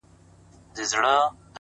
خوشحال په دې يم چي ذهين نه سمه ـ